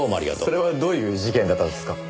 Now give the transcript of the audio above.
それはどういう事件だったんですか？